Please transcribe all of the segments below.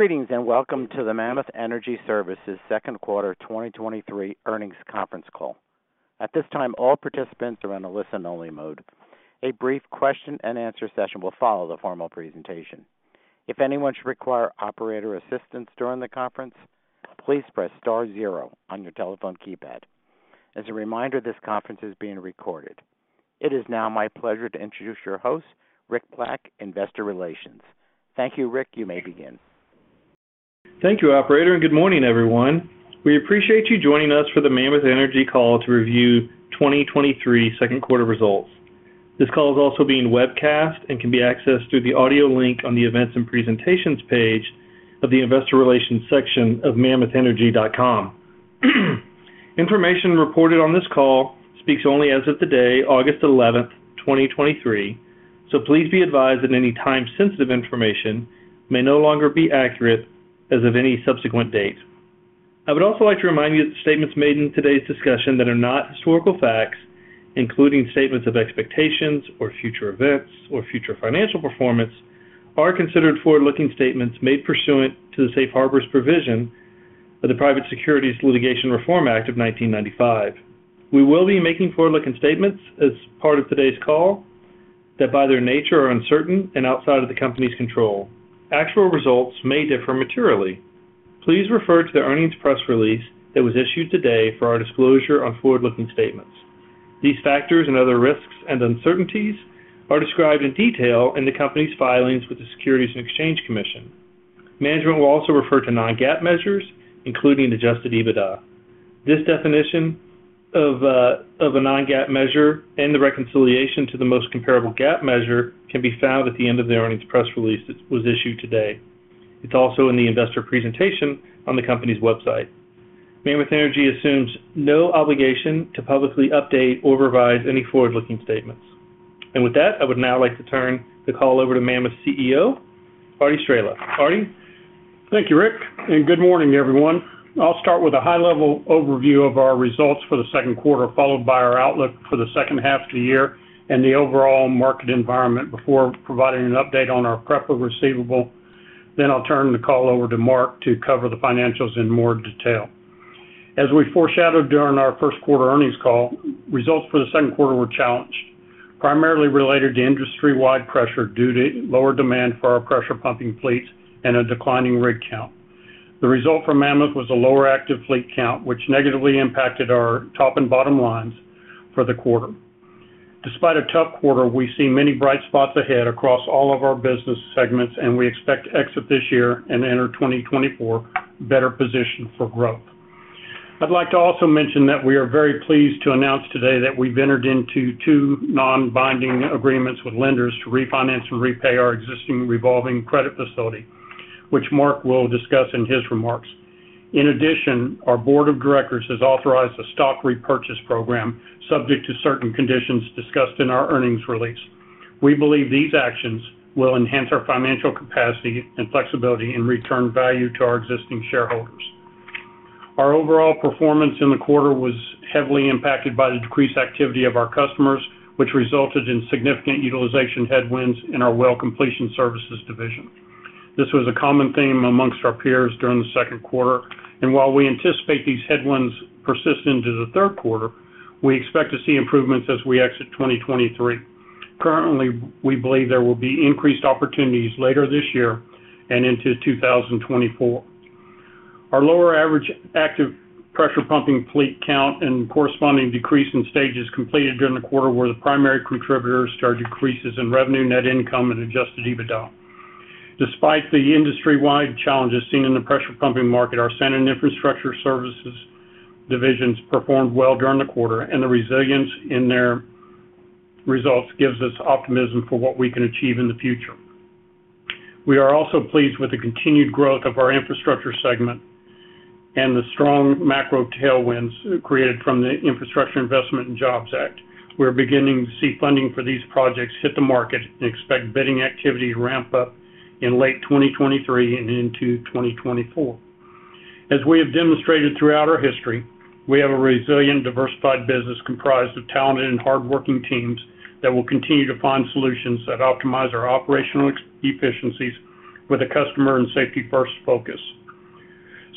Greetings, and welcome to the Mammoth Energy Services second quarter 2023 earnings conference call. At this time, all participants are in a listen-only mode. A brief question-and-answer session will follow the formal presentation. If anyone should require operator assistance during the conference, please press star 0 on your telephone keypad. As a reminder, this conference is being recorded. It is now my pleasure to introduce your host, Rick Black, Investor Relations. Thank you, Rick. You may begin. Thank you, operator, and good morning, everyone. We appreciate you joining us for the Mammoth Energy Services call to review 2023 second quarter results. This call is also being webcast and can be accessed through the audio link on the Events and Presentations page of the Investor Relations section of mammothenergy.com. Information reported on this call speaks only as of today, August 11, 2023. Please be advised that any time-sensitive information may no longer be accurate as of any subsequent date. I would also like to remind you that statements made in today's discussion that are not historical facts, including statements of expectations or future events or future financial performance, are considered forward-looking statements made pursuant to the Safe Harbors provision of the Private Securities Litigation Reform Act of 1995. We will be making forward-looking statements as part of today's call that, by their nature, are uncertain and outside of the company's control. Actual results may differ materially. Please refer to the earnings press release that was issued today for our disclosure on forward-looking statements. These factors and other risks and uncertainties are described in detail in the company's filings with the Securities and Exchange Commission. Management will also refer to non-GAAP measures, including adjusted EBITDA. This definition of a non-GAAP measure and the reconciliation to the most comparable GAAP measure can be found at the end of the earnings press release that was issued today. It's also in the investor presentation on the company's website. Mammoth Energy assumes no obligation to publicly update or revise any forward-looking statements. With that, I would now like to turn the call over to Mammoth CEO, Arty Straehla. Arty? Thank you, Rick, and good morning, everyone. I'll start with a high-level overview of our results for the second quarter, followed by our outlook for the second half of the year and the overall market environment before providing an update on our PREPA receivable. I'll turn the call over to Mark to cover the financials in more detail. As we foreshadowed during our first quarter earnings call, results for the second quarter were challenged, primarily related to industry-wide pressure due to lower demand for our pressure pumping fleet and a declining rig count. The result from Mammoth was a lower active fleet count, which negatively impacted our top and bottom lines for the quarter. Despite a tough quarter, we see many bright spots ahead across all of our business segments, and we expect to exit this year and enter 2024 better positioned for growth. I'd like to also mention that we are very pleased to announce today that we've entered into 2 non-binding agreements with lenders to refinance and repay our existing revolving credit facility, which Mark will discuss in his remarks. In addition, our board of directors has authorized a stock repurchase program, subject to certain conditions discussed in our earnings release. We believe these actions will enhance our financial capacity and flexibility in return value to our existing shareholders. Our overall performance in the quarter was heavily impacted by the decreased activity of our customers, which resulted in significant utilization headwinds in our Well Completion Services division. This was a common theme amongst our peers during the second quarter, and while we anticipate these headwinds persist into the third quarter, we expect to see improvements as we exit 2023. Currently, we believe there will be increased opportunities later this year and into 2024. Our lower average active pressure pumping fleet count and corresponding decrease in stages completed during the quarter were the primary contributors to our decreases in revenue, net income and adjusted EBITDA. Despite the industry-wide challenges seen in the pressure pumping market, our center and infrastructure services divisions performed well during the quarter, and the resilience in their results gives us optimism for what we can achieve in the future. We are also pleased with the continued growth of our infrastructure segment and the strong macro tailwinds created from the Infrastructure Investment and Jobs Act. We're beginning to see funding for these projects hit the market and expect bidding activity to ramp up in late 2023 and into 2024. As we have demonstrated throughout our history, we have a resilient, diversified business comprised of talented and hardworking teams that will continue to find solutions that optimize our operational efficiencies with a customer and safety-first focus.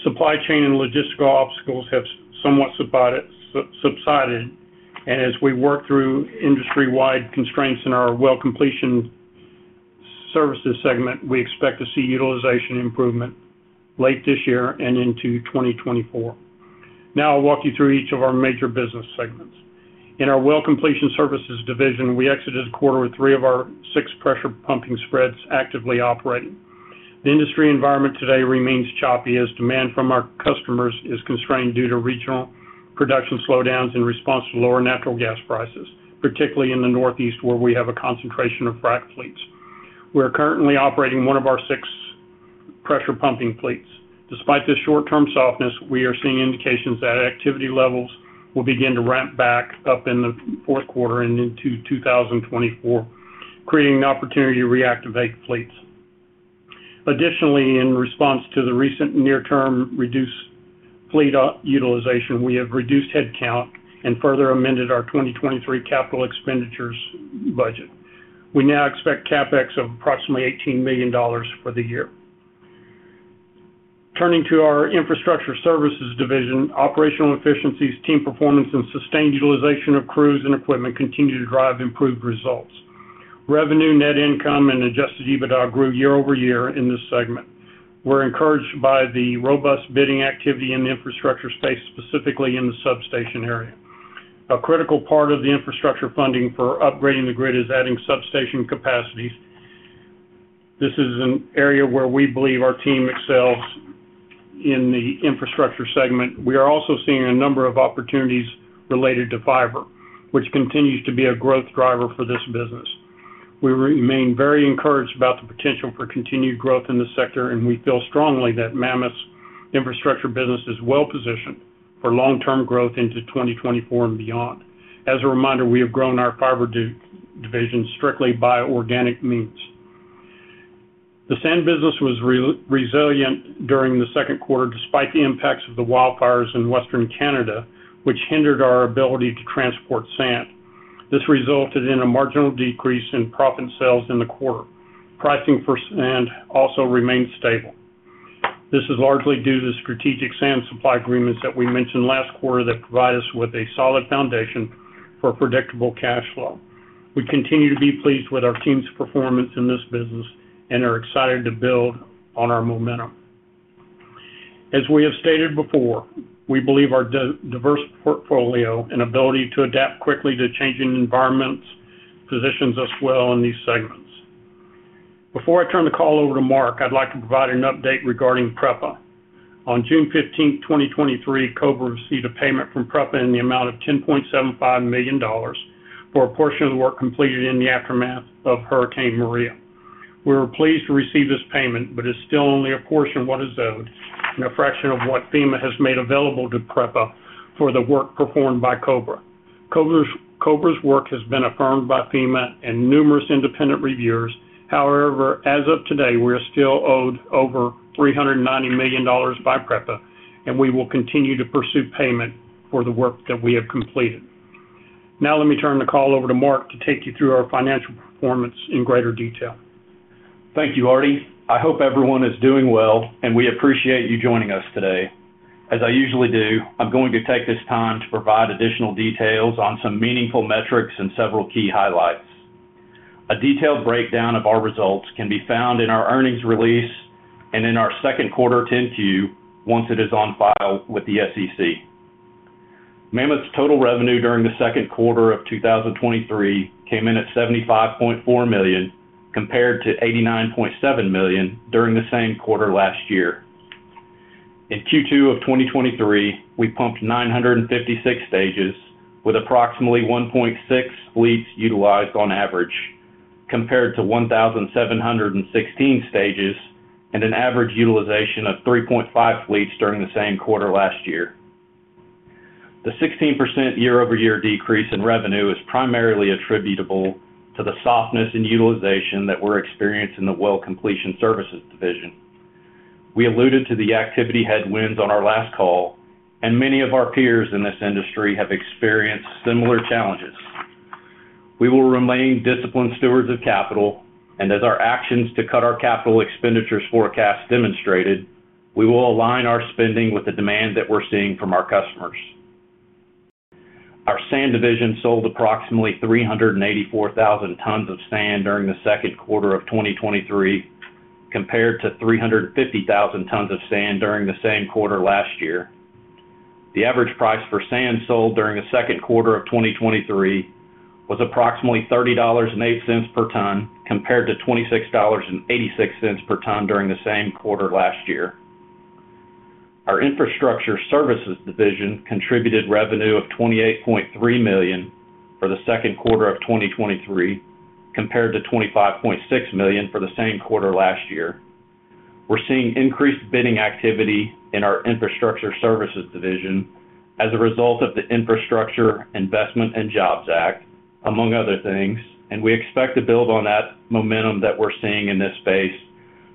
Supply chain and logistical obstacles have somewhat subsided, and as we work through industry-wide constraints in our Well Completion Services segment, we expect to see utilization improvement late this year and into 2024. Now I'll walk you through each of our major business segments. In our Well Completion Services division, we exited the quarter with 3 of our 6 pressure pumping spreads actively operating. The industry environment today remains choppy as demand from our customers is constrained due to regional production slowdowns in response to lower natural gas prices, particularly in the Northeast, where we have a concentration of frack fleets. We are currently operating 1 of our 6 pressure pumping fleets. Despite this short-term softness, we are seeing indications that activity levels will begin to ramp back up in the fourth quarter and into 2024, creating an opportunity to reactivate fleets. Additionally, in response to the recent near-term reduced fleet utilization, we have reduced headcount and further amended our 2023 capital expenditures budget. We now expect CapEx of approximately $18 million for the year. Turning to our infrastructure services division, operational efficiencies, team performance, and sustained utilization of crews and equipment continue to drive improved results. Revenue, net income, and adjusted EBITDA grew year-over-year in this segment. We're encouraged by the robust bidding activity in the infrastructure space, specifically in the substation area. A critical part of the infrastructure funding for upgrading the grid is adding substation capacities. This is an area where we believe our team excels in the infrastructure segment. We are also seeing a number of opportunities related to fiber, which continues to be a growth driver for this business. We remain very encouraged about the potential for continued growth in the sector. We feel strongly that Mammoth's infrastructure business is well positioned for long-term growth into 2024 and beyond. As a reminder, we have grown our fiber division strictly by organic means. The sand business was resilient during the second quarter, despite the impacts of the wildfires in western Canada, which hindered our ability to transport sand. This resulted in a marginal decrease in profit sales in the quarter. Pricing for sand also remained stable. This is largely due to strategic sand supply agreements that we mentioned last quarter that provide us with a solid foundation for predictable cash flow. We continue to be pleased with our team's performance in this business and are excited to build on our momentum. As we have stated before, we believe our diverse portfolio and ability to adapt quickly to changing environments positions us well in these segments. Before I turn the call over to Mark, I'd like to provide an update regarding PREPA. On June 15, 2023, Cobra received a payment from PREPA in the amount of $10.75 million for a portion of the work completed in the aftermath of Hurricane Maria. We were pleased to receive this payment, but it's still only a portion of what is owed and a fraction of what FEMA has made available to PREPA for the work performed by Cobra. Cobra's work has been affirmed by FEMA and numerous independent reviewers. However, as of today, we are still owed over $390 million by PREPA, and we will continue to pursue payment for the work that we have completed. Now let me turn the call over to Mark to take you through our financial performance in greater detail. Thank you, Arty. I hope everyone is doing well, and we appreciate you joining us today. As I usually do, I'm going to take this time to provide additional details on some meaningful metrics and several key highlights. A detailed breakdown of our results can be found in our earnings release and in our Q2 10-Q, once it is on file with the SEC. Mammoth's total revenue during the Q2 of 2023 came in at $75.4 million, compared to $89.7 million during the same quarter last year. In Q2 of 2023, we pumped 956 stages, with approximately 1.6 fleets utilized on average, compared to 1,716 stages and an average utilization of 3.5 fleets during the same quarter last year. The 16% year-over-year decrease in revenue is primarily attributable to the softness in utilization that we're experiencing in the Well Completion Services division. We alluded to the activity headwinds on our last call, and many of our peers in this industry have experienced similar challenges. We will remain disciplined stewards of capital, and as our actions to cut our capital expenditures forecast demonstrated, we will align our spending with the demand that we're seeing from our customers. Our sand division sold approximately 384,000 tons of sand during the second quarter of 2023, compared to 350,000 tons of sand during the same quarter last year. The average price for sand sold during the second quarter of 2023 was approximately $30.08 per ton, compared to $26.86 per ton during the same quarter last year. Our infrastructure services division contributed revenue of $28.3 million for the second quarter of 2023, compared to $25.6 million for the same quarter last year. We're seeing increased bidding activity in our infrastructure services division as a result of the Infrastructure Investment and Jobs Act, among other things, and we expect to build on that momentum that we're seeing in this space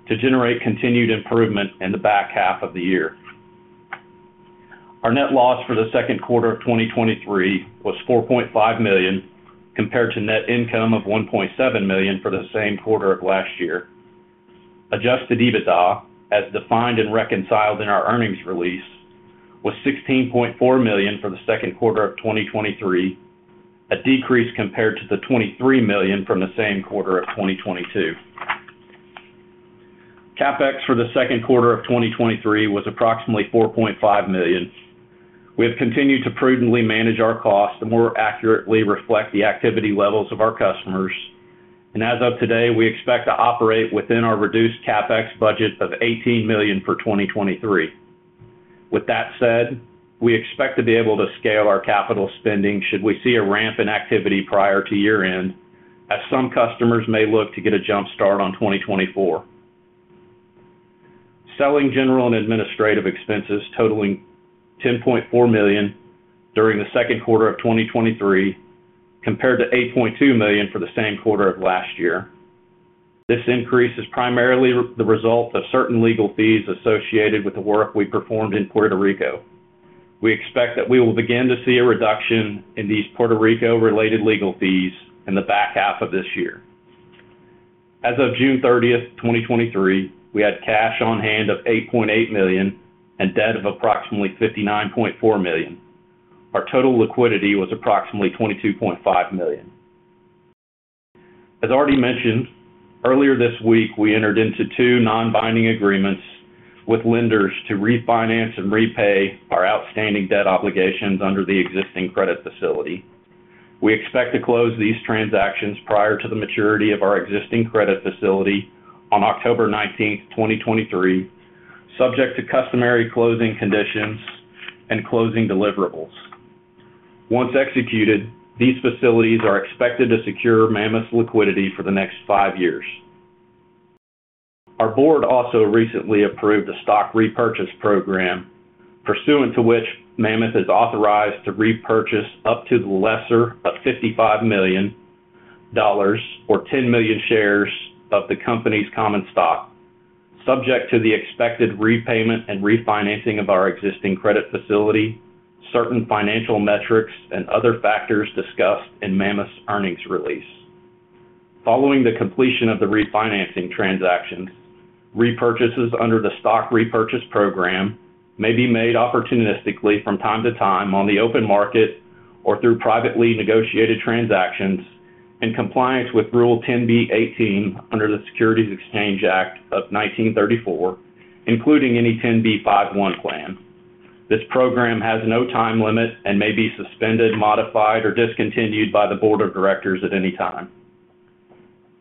to generate continued improvement in the back half of the year. Our net loss for the second quarter of 2023 was $4.5 million, compared to net income of $1.7 million for the same quarter of last year. adjusted EBITDA, as defined and reconciled in our earnings release, was $16.4 million for the second quarter of 2023, a decrease compared to the $23 million from the same quarter of 2022. CapEx for the second quarter of 2023 was approximately $4.5 million. We have continued to prudently manage our costs to more accurately reflect the activity levels of our customers, and as of today, we expect to operate within our reduced CapEx budget of $18 million for 2023. With that said, we expect to be able to scale our capital spending should we see a ramp in activity prior to year-end, as some customers may look to get a jump start on 2024. Selling general and administrative expenses totaling $10.4 million during Q2 of 2023, compared to $8.2 million for the same quarter of last year. This increase is primarily the result of certain legal fees associated with the work we performed in Puerto Rico. We expect that we will begin to see a reduction in these Puerto Rico-related legal fees in the back half of this year. As of June 30, 2023, we had cash on hand of $8.8 million and debt of approximately $59.4 million. Our total liquidity was approximately $22.5 million. As already mentioned, earlier this week, we entered into two non-binding agreements with lenders to refinance and repay our outstanding debt obligations under the existing credit facility. We expect to close these transactions prior to the maturity of our existing credit facility on October 19, 2023, subject to customary closing conditions and closing deliverables. Once executed, these facilities are expected to secure Mammoth's liquidity for the next five years. Our board also recently approved a stock repurchase program, pursuant to which Mammoth is authorized to repurchase up to the lesser of $55 million, or 10 million shares of the company's common stock, subject to the expected repayment and refinancing of our existing credit facility, certain financial metrics, and other factors discussed in Mammoth's earnings release. Following the completion of the refinancing transactions, repurchases under the stock repurchase program may be made opportunistically from time to time on the open market or through privately negotiated transactions in compliance with Rule 10b-18 under the Securities Exchange Act of 1934, including any 10b5-1 plan. This program has no time limit and may be suspended, modified, or discontinued by the board of directors at any time.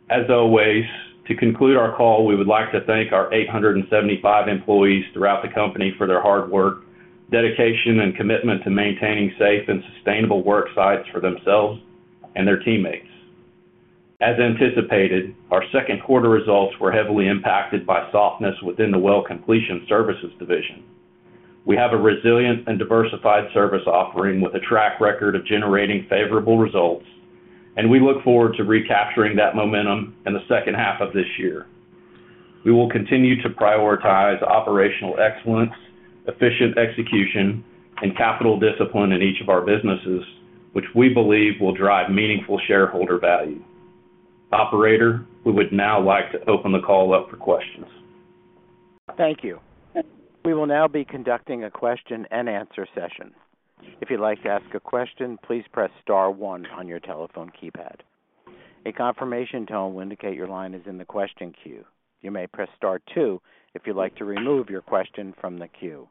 As always, to conclude our call, we would like to thank our 875 employees throughout the company for their hard work, dedication, and commitment to maintaining safe and sustainable work sites for themselves and their teammates. As anticipated, our second quarter results were heavily impacted by softness within the Well Completion Services division. We have a resilient and diversified service offering, with a track record of generating favorable results, we look forward to recapturing that momentum in the second half of this year. We will continue to prioritize operational excellence, efficient execution, and capital discipline in each of our businesses, which we believe will drive meaningful shareholder value. Operator, we would now like to open the call up for questions. Thank you. We will now be conducting a question-and-answer session. If you'd like to ask a question, please press star one on your telephone keypad. A confirmation tone will indicate your line is in the question queue. You may press star two if you'd like to remove your question from the queue.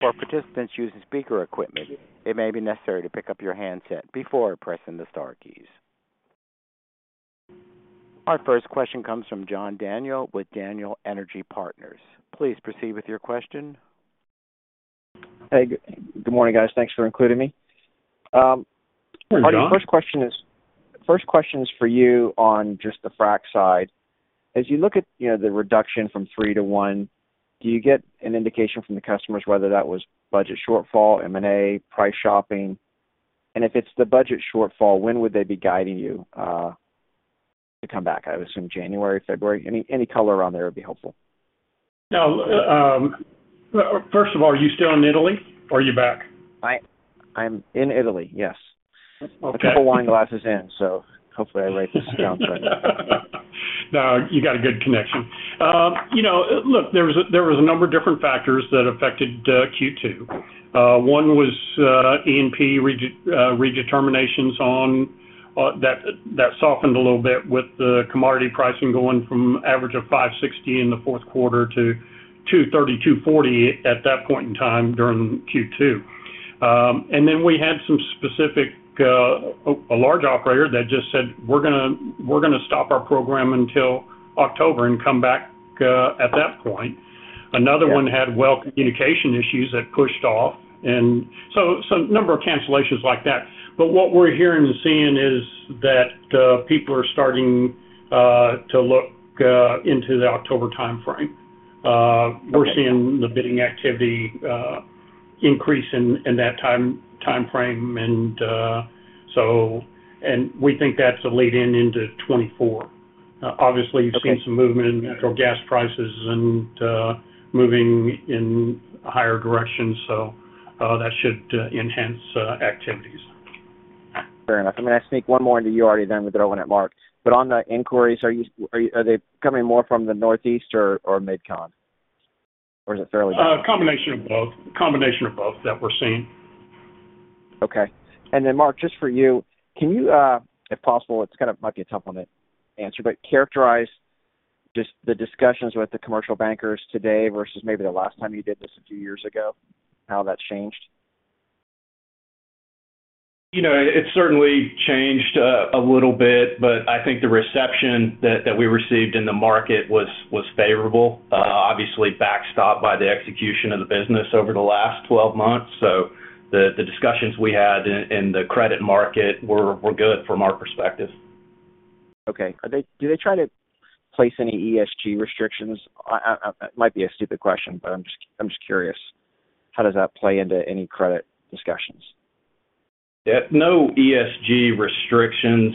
For participants using speaker equipment, it may be necessary to pick up your handset before pressing the star keys. Our first question comes from John Daniel with Daniel Energy Partners. Please proceed with your question. Hey, good morning, guys. Thanks for including me. Hey, John. Arty, the first question is, first question is for you on just the frack side. As you look at, you know, the reduction from 3 to 1, do you get an indication from the customers whether that was budget shortfall, M&A, price shopping? If it's the budget shortfall, when would they be guiding you to come back? I would assume January, February. Any, any color around there would be helpful. First of all, are you still in Italy or are you back? I, I'm in Italy, yes. Okay. A couple wine glasses in, so hopefully I write this down right. No, you got a good connection. You know, look, there was a, there was a number of different factors that affected Q2. One was E&P redeterminations on that, that softened a little bit with the commodity pricing going from average of $5.60 in the fourth quarter to $2.30-$2.40 at that point in time during Q2. Then we had some specific, a, a large operator that just said, "We're gonna, we're gonna stop our program until October and come back at that point. Yeah. Another one had well communication issues that pushed off, so a number of cancellations like that. What we're hearing and seeing is that people are starting to look into the October timeframe. Okay. We're seeing the bidding activity increase in, in that time, timeframe. We think that's a lead in into 2024. Okay... you've seen some movement in natural gas prices and moving in a higher direction, so that should enhance activities. Fair enough. I'm gonna sneak one more into you. I already done with throwing at Mark. On the inquiries, are they coming more from the Northeast or MidCon? A combination of both. Combination of both that we're seeing. Okay. Mark, just for you, can you, if possible, it's kind of might be a tough one to answer, but characterize just the discussions with the commercial bankers today versus maybe the last time you did this a few years ago, how that's changed? You know, it's certainly changed a little bit, but I think the reception that, that we received in the market was, was favorable. Obviously, backstopped by the execution of the business over the last 12 months. The, the discussions we had in, in the credit market were, were good from our perspective. Okay. Do they try to place any ESG restrictions? It might be a stupid question, but I'm just, I'm just curious: How does that play into any credit discussions? Yeah, no ESG restrictions,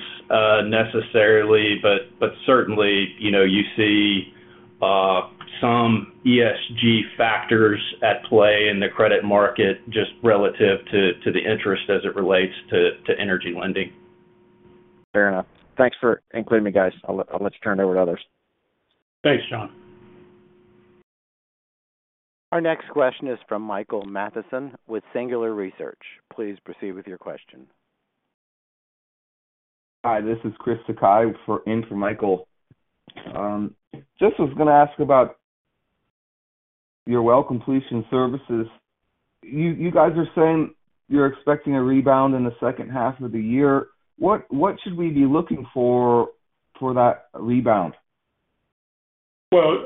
necessarily, but, but certainly, you know, you see, some ESG factors at play in the credit market, just relative to, to the interest as it relates to, to energy lending. Fair enough. Thanks for including me, guys. I'll let you turn it over to others. Thanks, John. Our next question is from Michael Matson with Singular Research. Please proceed with your question. Hi, this is Chris Sakai for in for Michael. Just was going to ask about your Well Completion Services. You, you guys are saying you're expecting a rebound in the second half of the year. What, what should we be looking for for that rebound? Well,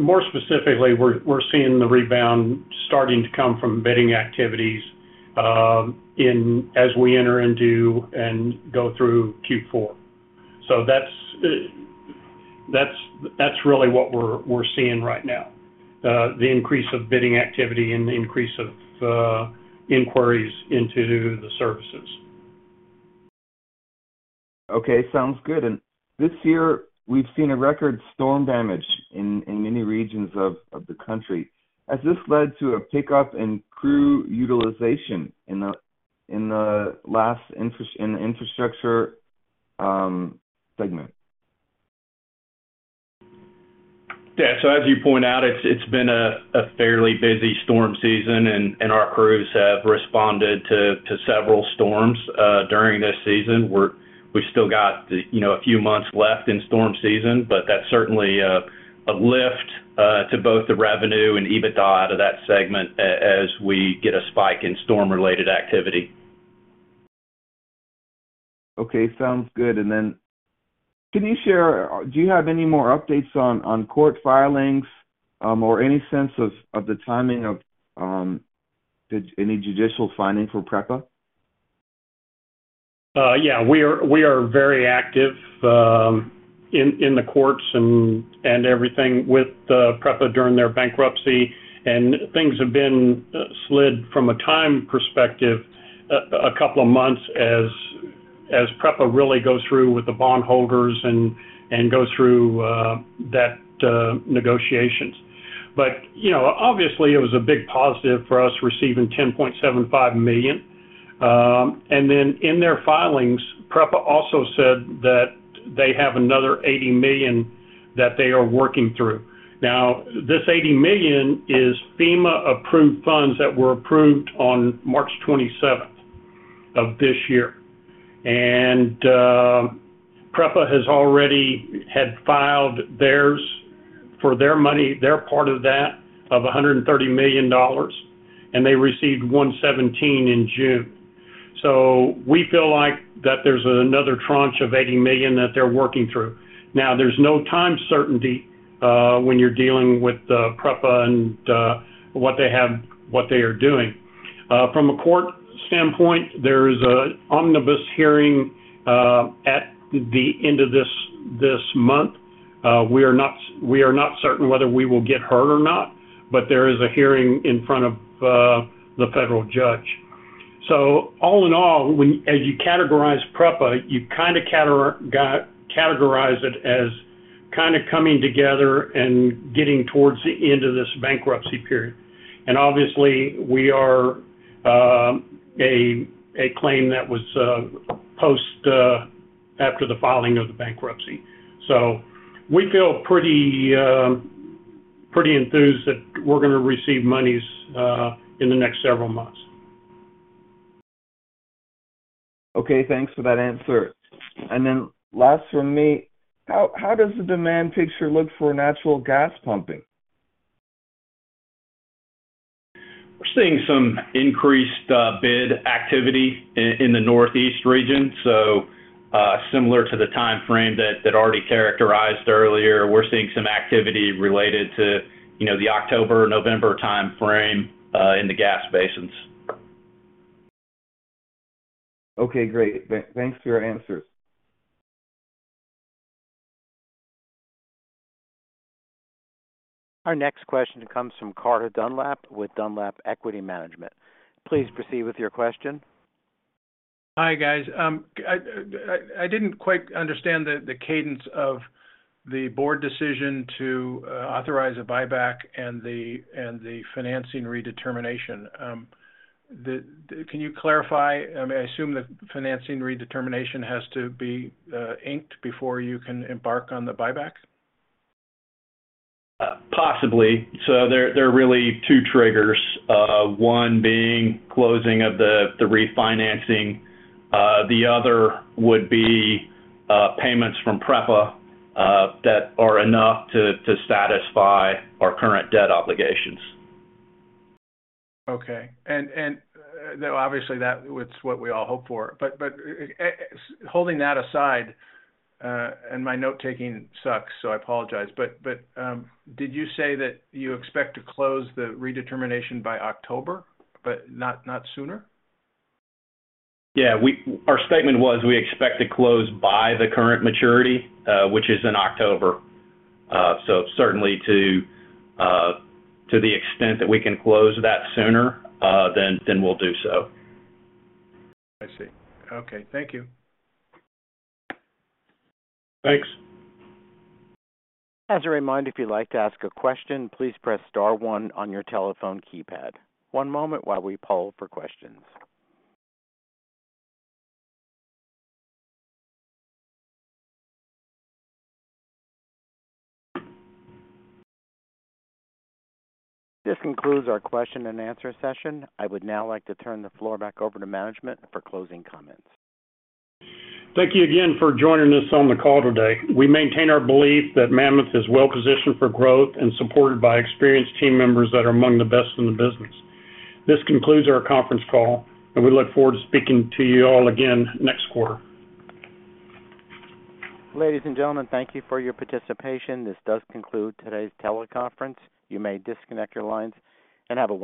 more specifically, we're, we're seeing the rebound starting to come from bidding activities, as we enter into and go through Q4. That's, that's, that's really what we're, we're seeing right now, the increase of bidding activity and the increase of inquiries into the services. Okay. Sounds good. This year, we've seen a record storm damage in, in many regions of, of the country. Has this led to a pickup in crew utilization in the last infrastructure segment? Yeah. As you point out, it's been a fairly busy storm season, and our crews have responded to several storms during this season. We still got, you know, a few months left in storm season, but that's certainly a lift to both the revenue and EBITDA out of that segment as we get a spike in storm-related activity. Okay, sounds good. Then can you share-- Do you have any more updates on, on court filings, or any sense of, of the timing of any judicial filing for PREPA? Yeah, we are, we are very active in, in the courts and, and everything with PREPA during their bankruptcy. Things have been slid from a time perspective, a couple of months as PREPA really goes through with the bondholders and, and goes through that negotiations. You know, obviously, it was a big positive for us receiving $10.75 million. In their filings, PREPA also said that they have another $80 million that they are working through. This $80 million is FEMA-approved funds that were approved on March 27 of this year, and PREPA has already had filed theirs for their money, their part of that, of $130 million, and they received $117 million in June. We feel like that there's another tranche of $80 million that they're working through. Now, there's no time certainty when you're dealing with PREPA and what they have, what they are doing. From a court standpoint, there is an omnibus hearing at the end of this month. We are not, we are not certain whether we will get heard or not, but there is a hearing in front of the federal judge. All in all, as you categorize PREPA, you kind of categorize it as kind of coming together and getting towards the end of this bankruptcy period. Obviously, we are a claim that was post after the filing of the bankruptcy. We feel pretty pretty enthused that we're going to receive monies in the next several months. Okay, thanks for that answer. Then last from me, how does the demand picture look for natural gas pumping? We're seeing some increased bid activity in, in the Northeast region. Similar to the time frame that, that Arty characterized earlier, we're seeing some activity related to, you know, the October-November time frame in the gas basins. Okay, great. Thanks for your answers. Our next question comes from Carter Dunlap with Dunlap Equity Management. Please proceed with your question. Hi, guys. I, I, I didn't quite understand the, the cadence of the board decision to, authorize a buyback and the, and the financing redetermination. Can you clarify? I mean, I assume the financing redetermination has to be, inked before you can embark on the buyback. Possibly. There, there are really two triggers. One being closing of the, the refinancing, the other would be, payments from PREPA, that are enough to, to satisfy our current debt obligations. Okay. Though obviously, that is what we all hope for. Holding that aside, my note-taking sucks, so I apologize, did you say that you expect to close the redetermination by October, but not, not sooner? Yeah, we-- Our statement was we expect to close by the current maturity, which is in October. Certainly to, to the extent that we can close that sooner, then, then we'll do so. I see. Okay. Thank you. Thanks. As a reminder, if you'd like to ask a question, please press star one on your telephone keypad. One moment while we poll for questions. This concludes our question-and-answer session. I would now like to turn the floor back over to management for closing comments. Thank you again for joining us on the call today. We maintain our belief that Mammoth is well positioned for growth and supported by experienced team members that are among the best in the business. This concludes our conference call, and we look forward to speaking to you all again next quarter. Ladies and gentlemen, thank you for your participation. This does conclude today's teleconference. You may disconnect your lines, and have a wonderful day.